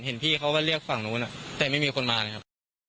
เห็นพี่เขาก็เรียกฝั่งนู้นแต่ไม่มีคนมาเลยครับ